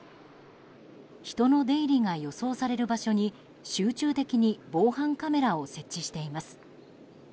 人の出入りが予想される場所に集中的に防犯カメラを設置しています。